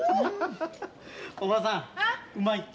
おばさんうまいって。